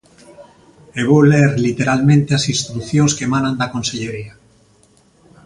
E vou ler literalmente as instrucións que emanan da Consellería.